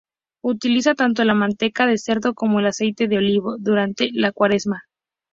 Utiliza tanto la manteca de cerdo como el aceite de oliva —durante la cuaresma—.